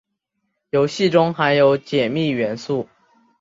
游戏中含有解密元素。